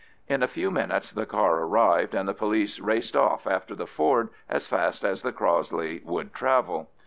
In a few minutes the car arrived, and the police raced off after the Ford as fast as the Crossley would travel.